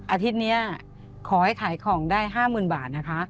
อาทิตย์นี้ขอให้ขายของได้๕๐๐๐บาทนะคะ